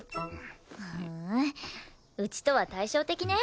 ふんうちとは対照的ね。